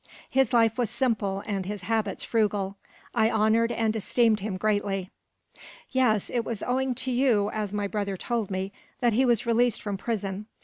His life was simple, and his habits frugal. I honoured and esteemed him, greatly." "Yes, it was owing to you, as my brother told me, that he was released from prison.